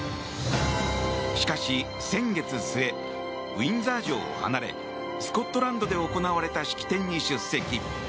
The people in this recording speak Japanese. しかし先月末ウィンザー城を離れスコットランドで行われた式典に出席。